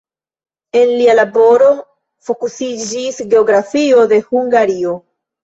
En lia laboro fokusiĝis geografio de Hungario.